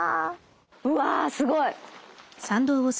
うわすごい。